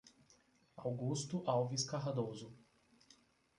Augusto Alves Cardoso